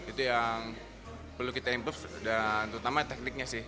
itu yang perlu kita improve dan terutama tekniknya sih